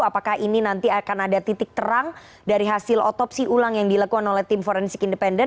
apakah ini nanti akan ada titik terang dari hasil otopsi ulang yang dilakukan oleh tim forensik independen